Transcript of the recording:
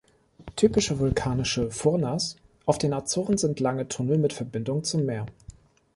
Typische vulkanische Furnas auf den Azoren sind lange Tunnel mit Verbindung zum Meer.